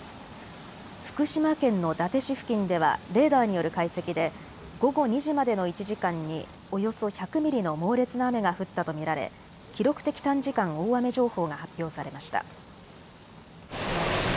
福島県の伊達市付近ではレーダーによる解析で午後２時までの１時間におよそ１００ミリの猛烈な雨が降ったと見られ記録的短時間大雨情報が発表されました。